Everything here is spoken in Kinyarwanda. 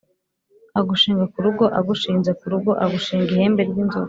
agushinga ku rugo agushinze ku rugo, agushinga ihembe ry'inzovu.